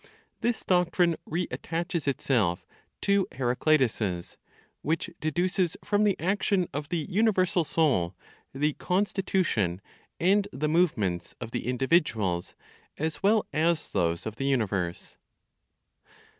This doctrine reattaches itself to (Heraclitus's) which deduces from the action of the universal Soul the constitution and the movements of the individuals as well as those of the universe.